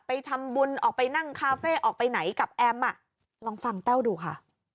ไปทำบุญออกไปนั่งคาเฟ่ออกไปไหนกับแอมอ่ะลองฟังแต้วดูค่ะ